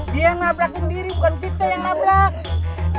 dia yang nabrak sendiri bukan kita yang nabrak